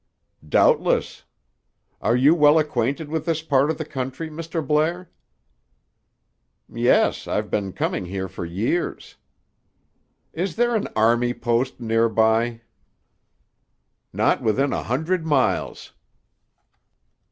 "Doubtless. Are you well acquainted with this part of the country, Mr. Blair?" "Yes, I've been coming here for years." "Is there an army post near by?" "Not within a hundred miles."